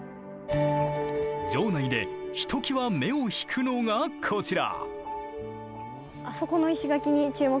城内でひときわ目を引くのがこちら。